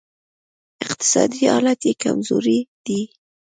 اقتصادي حالت یې کمزوری دی